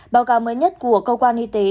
báo cáo mới nhất của cơ quan y tế